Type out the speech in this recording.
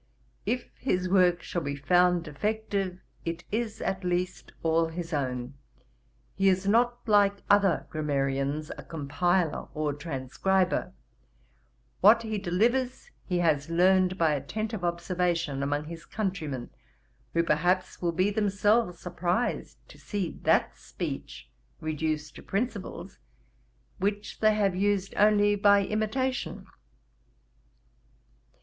If his work shall be found defective, it is at least all his own: he is not like other grammarians, a compiler or transcriber; what he delivers, he has learned by attentive observation among his countrymen, who perhaps will be themselves surprized to see that speech reduced to principles, which they have used only by imitation.